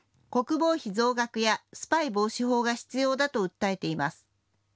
国防費増額やスパイ防止法が必要だと訴えています。